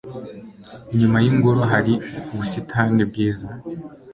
Inyuma yingoro hari ubusitani bwiza.